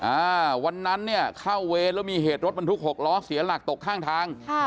อ่าวันนั้นเนี่ยเข้าเวรแล้วมีเหตุรถบรรทุกหกล้อเสียหลักตกข้างทางค่ะ